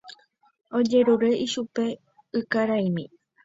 Ojerure ichupe ykaraimi.